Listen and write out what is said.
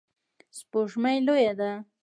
سپوږمۍ لویه ده